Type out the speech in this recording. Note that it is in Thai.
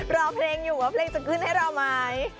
รอเพลงอยู่ว่าเพลงจะขึ้นให้เราไหม